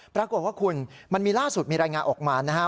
ปรากฏว่าคุณมันมีล่าสุดมีรายงานออกมานะฮะ